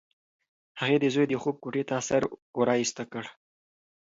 هغې د زوی د خوب کوټې ته سر ورایسته کړ.